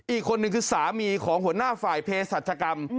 อีกคนนึงคือสามีของหัวหน้าฝ่ายเพศสัจกรรม